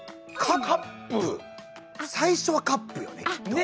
最初はカップよねきっと。